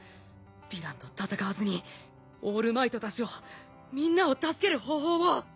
ヴィランと戦わずにオールマイトたちをみんなを助ける方法を。